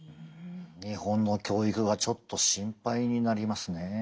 日本の教育がちょっと心配になりますね。